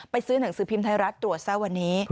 ซื้อหนังสือพิมพ์ไทยรัฐตรวจซะวันนี้